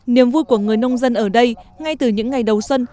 niềm vui của người nông dân ở đây ngay từ những ngày đầu xuân